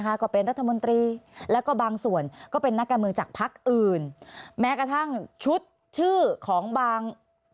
ก็เป็นรัฐมนตรีแล้วก็บางส่วนก็เป็นนักการเมืองจากพักอื่นแม้กระทั่งชุดชื่อของบาง